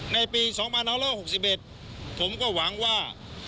ในปี๒๑๖๑ผมก็หวังว่า